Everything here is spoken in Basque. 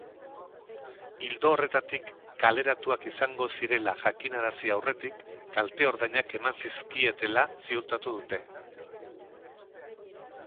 Ildo horretatik, kaleratuak izango zirela jakinarazi aurretik kalte-ordainak eman zizkietela ziurtatu dute.